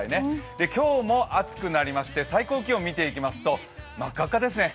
今日も暑くなりまして最高気温見ていきますと真っ赤っかですね。